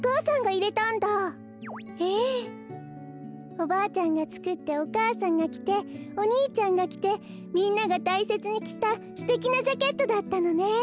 おばあちゃんがつくってお母さんがきてお兄ちゃんがきてみんながたいせつにきたすてきなジャケットだったのね。